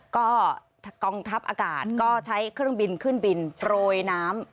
ก็กองทัพอากาศก็ใช้เครื่องบินขึ้นบินโปรยน้ำ